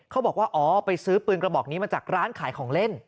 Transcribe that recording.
เขาบอกว่าอ๋อไปซื้อปืนกระบอกนี้มาจากร้านขายของเล่น